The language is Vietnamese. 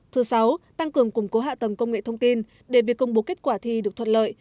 thứ sáu tăng cường củng cố hạ tầng công nghệ thông tin để việc công bố kết quả thi được thuận lợi